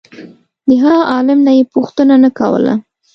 د هغه عالم نه یې پوښتنه نه کوله.